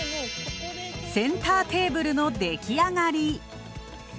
センターテーブルの出来上がり。